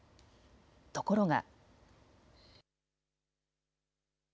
ところが。